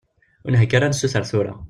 Ur nheggi ara ad nessuter tura.